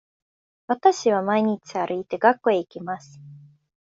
わたしは毎日歩いて学校へ行きます。